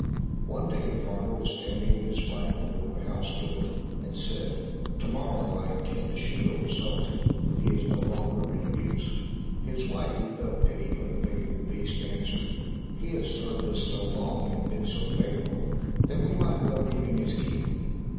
One day the farmer was standing with his wife before the house door, and said, "To morrow I intend to shoot Old Sultan, he is no longer of any use." His wife, who felt pity for the faithful beast, answered, "He has served us so long, and been so faithful, that we might well give him his keep."